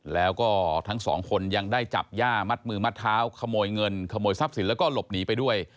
แล้วก็ทั้งสองคนยังได้จับย่ามัดมือมัดเท้าขโมยเงินขโมยทรัพย์สินแล้วก็หลบหนีไปด้วย